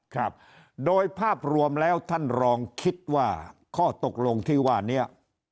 ครับโดยภาพรวมแล้วท่านรองคิดว่าข้อตกลงที่ว่านี้